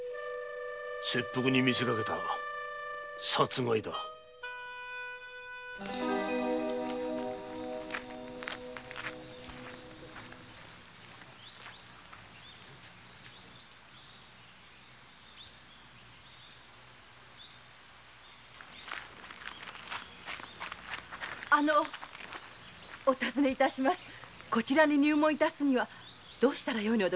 切腹に見せかけた殺害だあのこちらに入門致すにはどうしたらよいので？